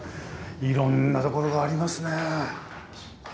いろんなところがありますねえ。